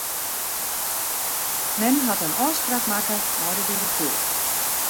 Mem hat in ôfspraak makke mei de direkteur.